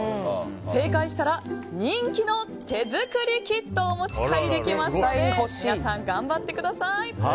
正解したら人気の手作りキットをお持ち帰りできますので皆さん、頑張ってください。